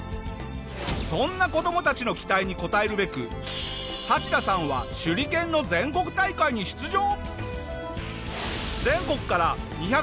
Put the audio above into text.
そんな子どもたちの期待に応えるべくハチダさんは手裏剣の全国大会に出場。